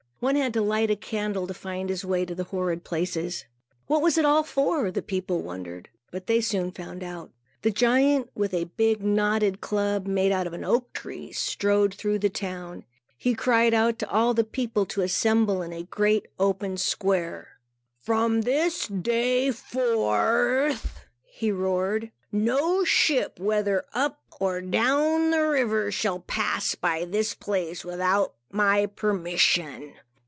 One had to light a candle to find his way to the horrid places. What was it all for? The people wondered, but they soon found out. The giant, with a big knotted club, made out of an oak tree, strode through the town. He cried out to all the people to assemble in the great open square. "From this day forth," he roared, "no ship, whether up or down the river, shall pass by this place, without my permission.